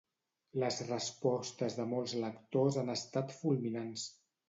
Les respostes de molts lectors han estat fulminants.